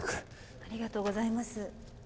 ありがとうございます。